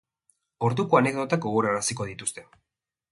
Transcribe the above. Orduko anekdotak gogoraraziko dituzte.